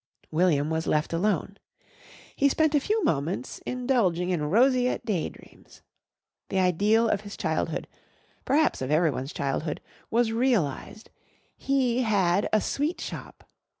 William was left alone. He spent a few moments indulging in roseate day dreams. The ideal of his childhood perhaps of everyone's childhood was realised. He had a sweet shop.